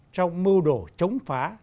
trong mưu đồ chống phá